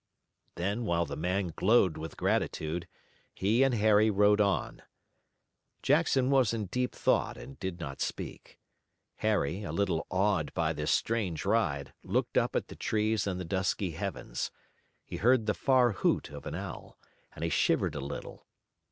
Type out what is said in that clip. Then while the man glowed with gratitude, he and Harry rode on. Jackson was in deep thought and did not speak. Harry, a little awed by this strange ride, looked up at the trees and the dusky heavens. He heard the far hoot of an owl, and he shivered a little.